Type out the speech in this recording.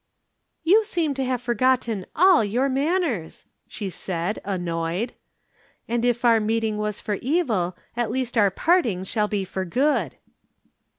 "You seem to have forgotten all your manners," she said, annoyed. "And if our meeting was for evil, at least our parting shall be for good."